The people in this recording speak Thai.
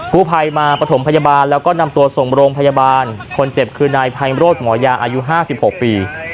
ผู้ภัยมาประถมพยาบาลแล้วก็นำตัวส่งโรงพยาบาลคนเจ็บคือนายไพโรธหมอยาอายุ๕๖ปี